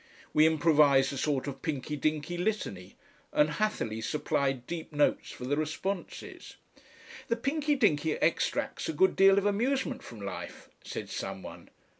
We improvised a sort of Pinky Dinky litany, and Hatherleigh supplied deep notes for the responses. "The Pinky Dinky extracts a good deal of amusement from life," said some one.